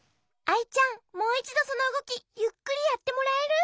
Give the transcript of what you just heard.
アイちゃんもういちどそのうごきゆっくりやってもらえる？